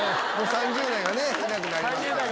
３０代がいなくなりますから。